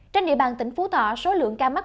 trên địa bàn tỉnh phú thọ số lượng ca mắc